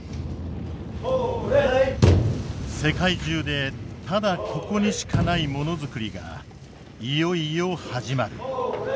世界中でただここにしかないものづくりがいよいよ始まる。